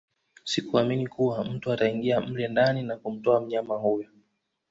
Sikuamini kuwa mtu ataingia mle ndani na kumtoa mnyama huyo